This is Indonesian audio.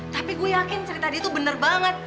tapi gue yakin cerita dia tuh bener banget